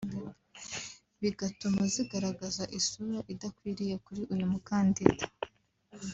bigatuma zigaragaza isura itagakwiriye kuri uyu mukandida